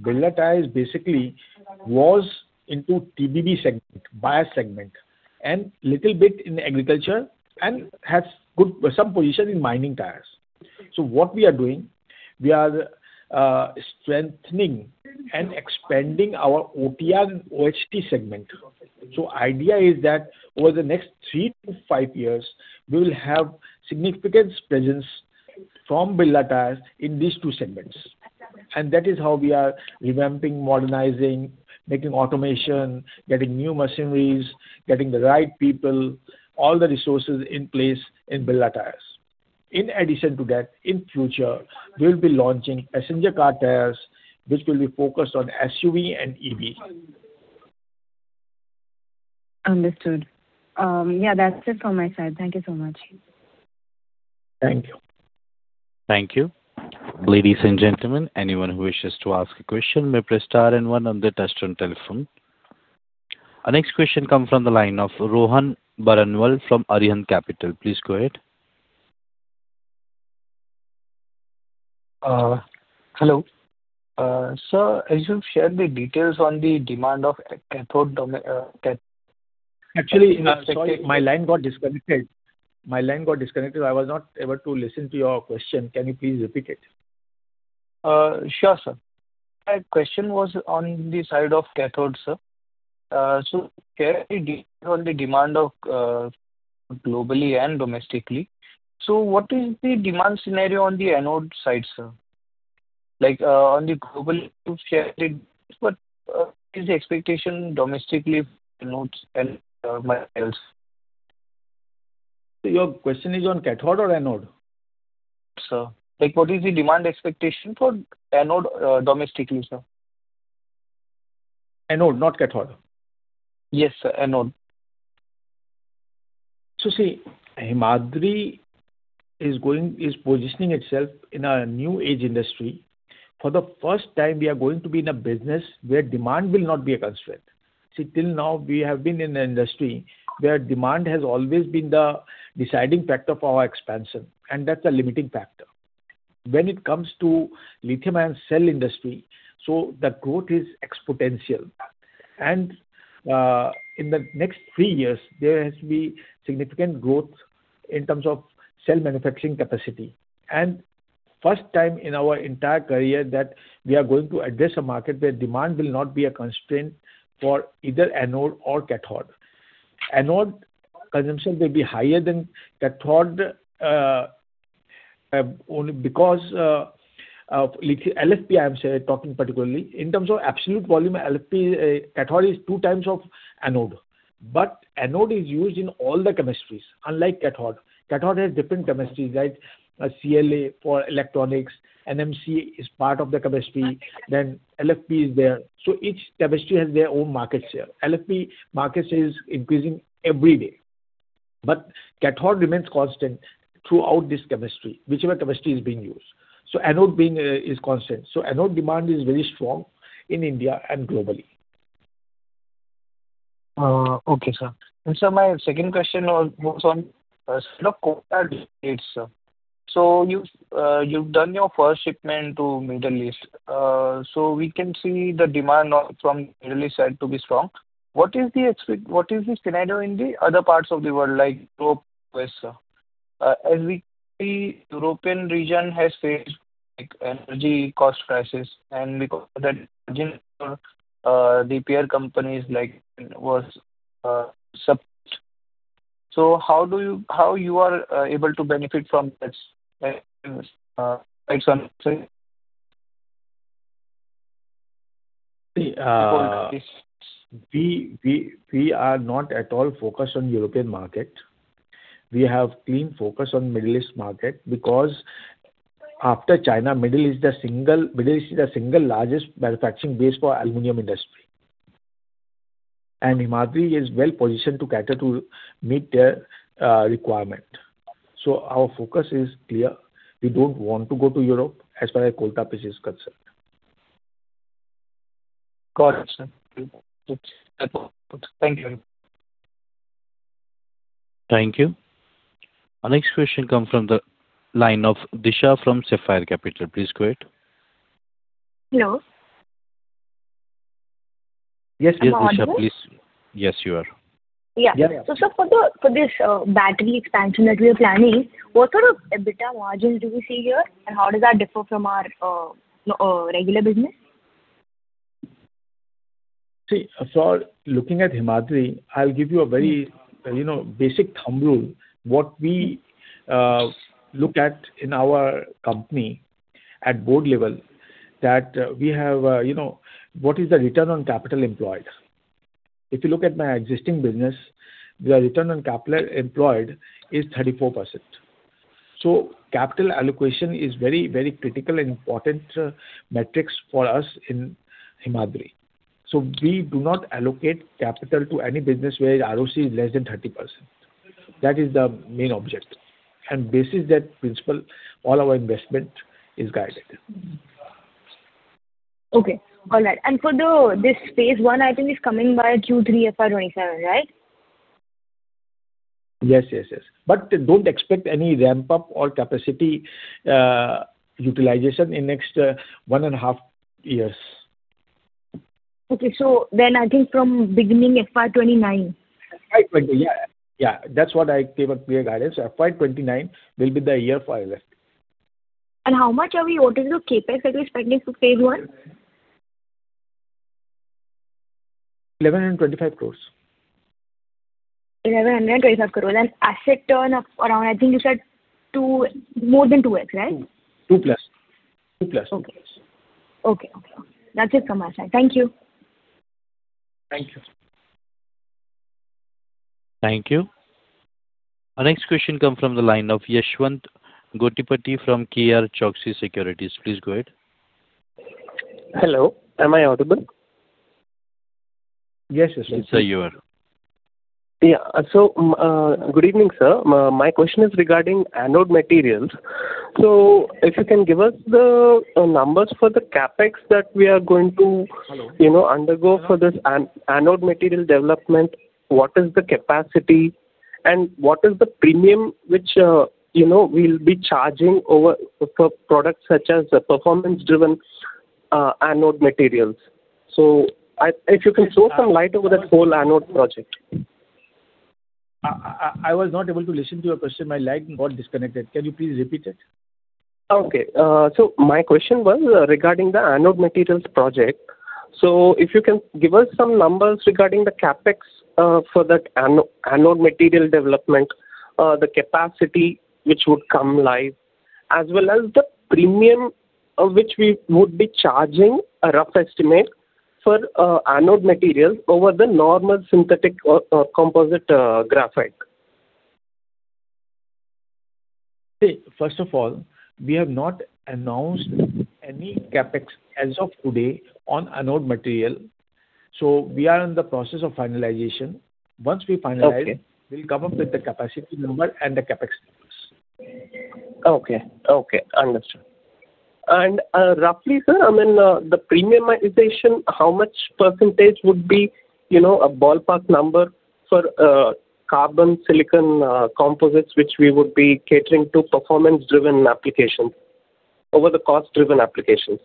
Birla Tyres basically was into TBB segment, bias segment, and a little bit in agriculture and has some position in mining tires. What we are doing, we are strengthening and expanding our OTR and OHT segment. The idea is that over the next three to five years, we will have significant presence from Birla Tyres in these two segments. That is how we are revamping, modernizing, making automation, getting new machineries, getting the right people, all the resources in place in Birla Tyres. In addition to that, in future, we'll be launching passenger car tires, which will be focused on SUV and EV. Understood. Yeah, that's it from my side. Thank you so much. Thank you. Thank you. Ladies and gentlemen, anyone who wishes to ask a question may press star and one on their touch-stone telephone. Our next question comes from the line of Rohan Baranwal from Arihant Capital. Please go ahead. Hello. Sir, as you shared the details on the demand of cathode. Actually, sorry, my line got disconnected. My line got disconnected. I was not able to listen to your question. Can you please repeat it? Sure, sir. My question was on the side of cathode, sir. Clearly, on the demand globally and domestically, what is the demand scenario on the anode side, sir? On the global shared, what is the expectation domestically for anodes and miles? Your question is on cathode or anode? Sir, what is the demand expectation for anode domestically, sir? Anode, not cathode. Yes, sir, anode. See, Himadri is positioning itself in a new age industry. For the first time, we are going to be in a business where demand will not be a constraint. See, till now, we have been in an industry where demand has always been the deciding factor for our expansion. That is a limiting factor. When it comes to lithium-ion cell industry, the growth is exponential. In the next three years, there has to be significant growth in terms of cell manufacturing capacity. For the first time in our entire career, we are going to address a market where demand will not be a constraint for either anode or cathode. Anode consumption will be higher than cathode because LFP, I am talking particularly, in terms of absolute volume, LFP cathode is two times of anode. Anode is used in all the chemistries, unlike cathode. Cathode has different chemistries, right? CLA for electronics, NMC is part of the chemistry. LFP is there. Each chemistry has their own market share. LFP market share is increasing every day. Cathode remains constant throughout this chemistry, whichever chemistry is being used. Anode is constant. Anode demand is very strong in India and globally. Okay, sir. My second question was on the coal tires, sir. You have done your first shipment to the Middle East. We can see the demand from the Middle East side to be strong. What is the scenario in the other parts of the world, like the West, sir? As we see, the European region has faced energy cost crisis. Because of that, the peer companies were suppressed. How are you able to benefit from this? We are not at all focused on the European market. We have a clean focus on the Middle East market because after China, the Middle East is the single largest manufacturing base for the aluminum industry. Himadri is well positioned to cater to meet their requirement. Our focus is clear. We do not want to go to Europe as far as coal tar pitch is concerned. Got it, sir. Thank you. Thank you. Our next question comes from the line of Disha from Sapphire Capital. Please go ahead. Hello. Yes, please. Yes, Disha, please. Yes, you are. Yeah. Sir, for this battery expansion that we are planning, what sort of EBITDA margin do we see here? And how does that differ from our regular business? See, for looking at Himadri, I will give you a very basic thumb rule. What we look at in our company at board level is that we have what is the return on capital employed? If you look at my existing business, the return on capital employed is 34%. Capital allocation is a very, very critical and important metric for us in Himadri. We do not allocate capital to any business where ROCE is less than 30%. That is the main objective. Based on that principle, all our investment is guided. Okay. All right. For this phase one, I think it's coming by Q3 FY2027, right? Yes, yes, yes. Do not expect any ramp-up or capacity utilization in the next one and a half years. Okay. I think from beginning FY2029. FY2029, yeah. Yeah. That's what I gave a clear guidance. FY2029 will be the year for LFP. How much are we owed to the capex that we're expecting for phase one? 1,125 crore. 1,125 crore. Asset turnaround, I think you said more than 2x, right? 2 plus. 2 plus. 2 plus. Okay. Okay. That's it from my side. Thank you. Thank you. Thank you. Our next question comes from the line of Yashwant Gotipatti from KR Choksey Securities. Please go ahead. Hello. Am I audible? Yes, yes, yes. Sir, you are. Yeah. Good evening, sir. My question is regarding anode materials. If you can give us the numbers for the CapEx that we are going to undergo for this anode material development, what is the capacity, and what is the premium which we'll be charging for products such as performance-driven anode materials? If you can throw some light over that whole anode project. I was not able to listen to your question. My line got disconnected. Can you please repeat it? Okay. My question was regarding the anode materials project. If you can give us some numbers regarding the CapEx for that anode material development, the capacity which would come live, as well as the premium which we would be charging, a rough estimate for anode materials over the normal synthetic composite graphite. See, first of all, we have not announced any CapEx as of today on anode material. We are in the process of finalization. Once we finalize, we will come up with the capacity number and the CapEx numbers. Okay. Okay. Understood. Roughly, sir, I mean, the premiumization, how much percentage would be a ballpark number for carbon silicon composites which we would be catering to performance-driven applications over the cost-driven applications?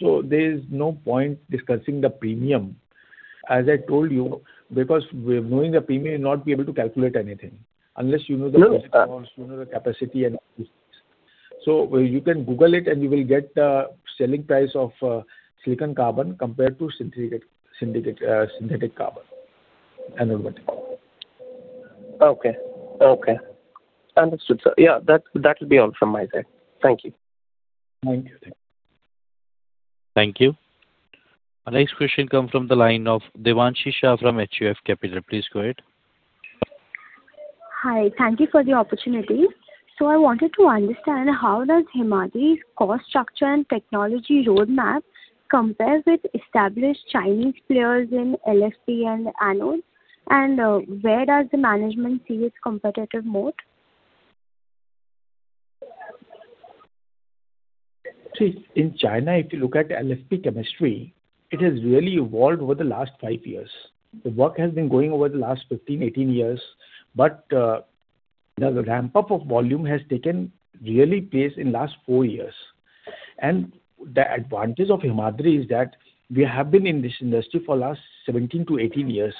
There is no point discussing the premium, as I told you, because knowing the premium, you'll not be able to calculate anything unless you know the cost, you know the capacity, and all these things. You can Google it, and you will get the selling price of silicon carbon compared to synthetic carbon anode material. Okay. Okay. Understood, sir. That will be all from my side. Thank you. Thank you. Thank you. Our next question comes from the line of Devanshi Shah from HUF Capital. Please go ahead. Hi. Thank you for the opportunity. I wanted to understand how does Himadri's cost structure and technology roadmap compare with established Chinese players in LFP and anodes, and where does the management see its competitive moat? See, in China, if you look at LFP chemistry, it has really evolved over the last five years. The work has been going on over the last 15, 18 years. The ramp-up of volume has taken really place in the last four years. The advantage of Himadri is that we have been in this industry for the last 17 to 18 years.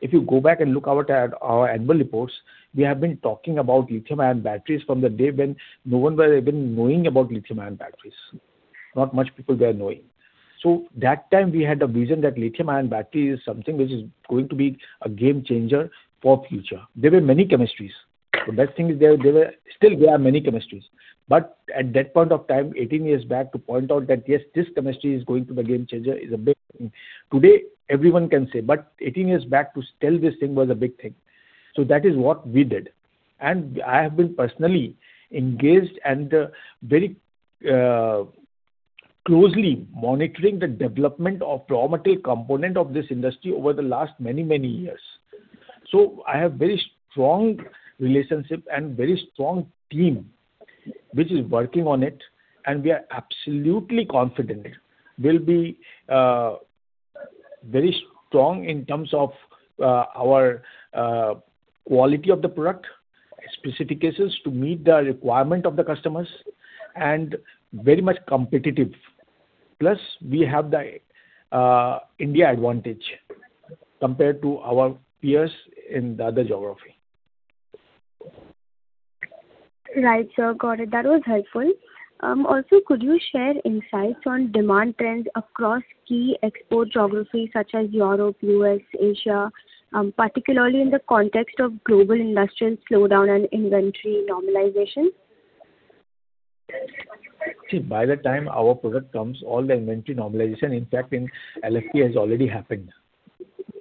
If you go back and look at our annual reports, we have been talking about lithium-ion batteries from the day when no one was even knowing about lithium-ion batteries. Not much people were knowing. That time, we had a vision that lithium-ion battery is something which is going to be a game changer for the future. There were many chemistries. The best thing is there still are many chemistries. At that point of time, 18 years back, to point out that, yes, this chemistry is going to be a game changer is a big thing. Today, everyone can say. Eighteen years back, to tell this thing was a big thing. That is what we did. I have been personally engaged and very closely monitoring the development of raw material components of this industry over the last many, many years. I have a very strong relationship and a very strong team which is working on it. We are absolutely confident. We'll be very strong in terms of our quality of the product, specific cases to meet the requirement of the customers, and very much competitive. Plus, we have the India advantage compared to our peers in the other geography. Right, sir. Got it. That was helpful. Also, could you share insights on demand trends across key export geographies such as Europe, U.S., Asia, particularly in the context of global industrial slowdown and inventory normalization? See, by the time our product comes, all the inventory normalization, in fact, in LFP has already happened.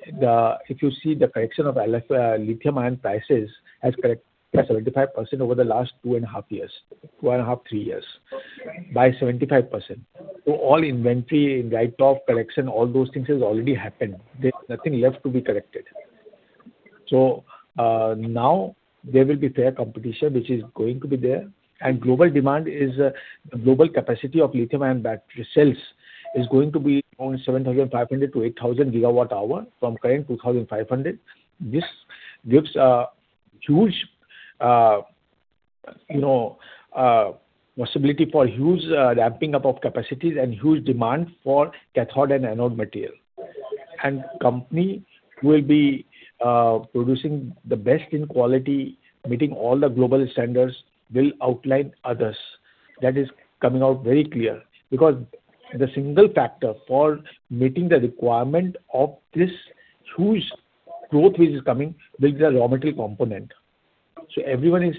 If you see the correction of lithium-ion prices has corrected by 75% over the last two and a half years, two and a half, three years, by 75%. All inventory write-off correction, all those things have already happened. There is nothing left to be corrected. Now there will be fair competition, which is going to be there. Global demand is the global capacity of lithium-ion battery cells is going to be around 7,500-8,000 gigawatt-hours from current 2,500. This gives a huge possibility for huge ramping up of capacity and huge demand for cathode and anode material. The company will be producing the best in quality, meeting all the global standards, will outshine others. That is coming out very clear because the single factor for meeting the requirement of this huge growth which is coming will be the raw material component. Everyone is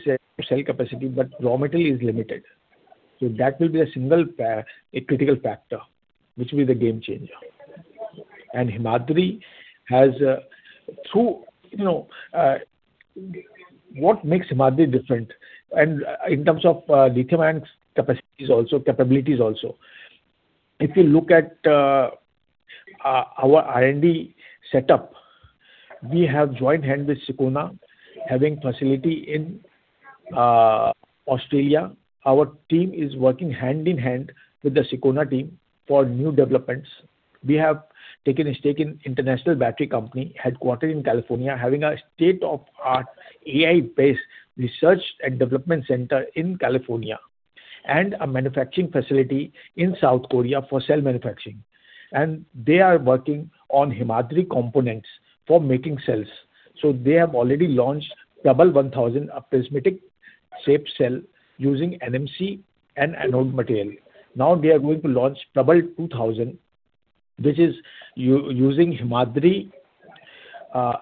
selling capacity, but raw material is limited. That will be a single critical factor, which will be the game changer. Himadri has, through what makes Himadri different in terms of lithium-ion capacity, also capabilities. If you look at our R&D setup, we have joined hands with Sicona having facility in Australia. Our team is working hand in hand with the Sicona team for new developments. We have taken a stake in International Battery Company headquartered in California, having a state-of-the-art AI-based research and development center in California, and a manufacturing facility in South Korea for cell manufacturing. They are working on Himadri components for making cells. They have already launched Gen 1,000 prismatic-shaped cells using NMC and anode material. Now they are going to launch W2,000, which is using Himadri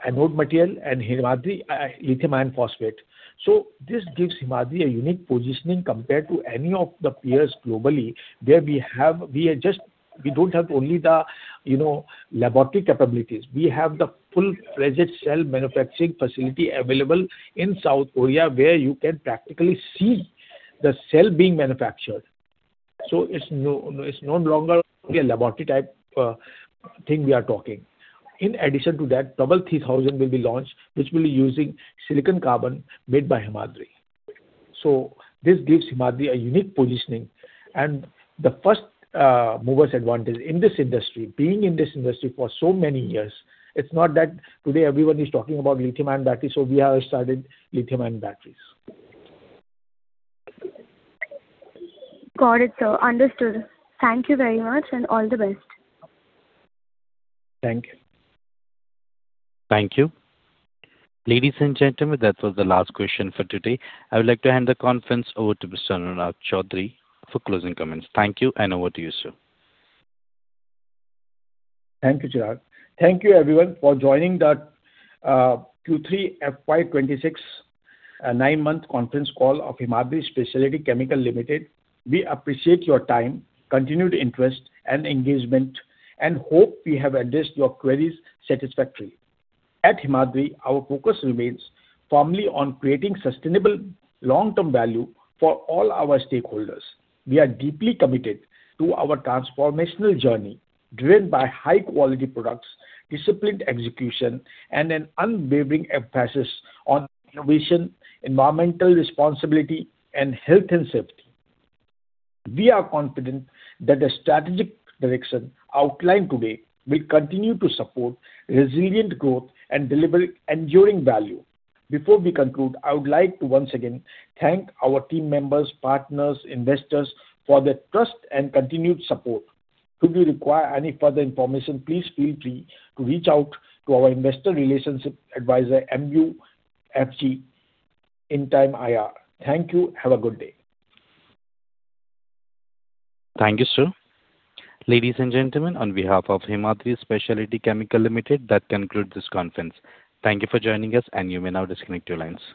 anode material and Himadri Lithium Iron Phosphate. This gives Himadri a unique positioning compared to any of the peers globally where we do not have only the laboratory capabilities. We have the full-fledged cell manufacturing facility available in South Korea where you can practically see the cell being manufactured. It is no longer a laboratory-type thing we are talking. In addition to that, W3,000 will be launched, which will be using silicon carbon made by Himadri. This gives Himadri a unique positioning. The first mover's advantage in this industry, being in this industry for so many years, it is not that today everyone is talking about lithium-ion batteries. We have started lithium-ion batteries. Got it, sir. Understood. Thank you very much and all the best. Thank you. Thank you. Ladies and gentlemen, that was the last question for today. I would like to hand the conference over to Mr. Anurag Choudhary for closing comments. Thank you. And over to you, sir. Thank you, sir. Thank you, everyone, for joining the Q3 FY2026 nine-month conference call of Himadri Speciality Chemical Limited. We appreciate your time, continued interest, and engagement, and hope we have addressed your queries satisfactorily. At Himadri, our focus remains firmly on creating sustainable long-term value for all our stakeholders. We are deeply committed to our transformational journey driven by high-quality products, disciplined execution, and an unwavering emphasis on innovation, environmental responsibility, and health and safety. We are confident that the strategic direction outlined today will continue to support resilient growth and deliver enduring value. Before we conclude, I would like to once again thank our team members, partners, investors for their trust and continued support. Should you require any further information, please feel free to reach out to our investor relationship advisor, M/s SGA and Link Intime. Thank you. Have a good day. Thank you, sir. Ladies and gentlemen, on behalf of Himadri Speciality Chemical Limited, that concludes this conference. Thank you for joining us, and you may now disconnect your lines.